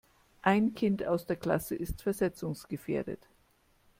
Ein Kind aus der Klasse ist versetzungsgefährdet.